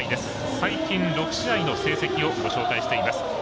最近６試合の成績をご紹介しています。